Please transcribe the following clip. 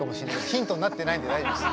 ヒントになってないんで大丈夫です。